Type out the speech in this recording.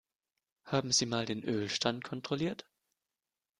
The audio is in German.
Haben Sie mal den Ölstand kontrolliert?